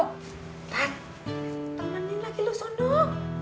tad temenin lagi lu sondo